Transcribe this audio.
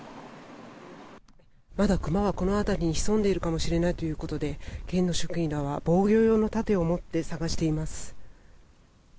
まだクマはこの辺りに潜んでいるかもしれないということで県の職員らは防護用の盾を持って探しています。